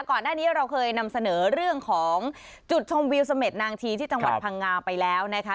ก่อนหน้านี้เราเคยนำเสนอเรื่องของจุดชมวิวเสม็ดนางทีที่จังหวัดพังงาไปแล้วนะคะ